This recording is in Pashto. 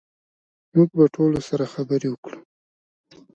موږ به ټولو سره خبرې وکړو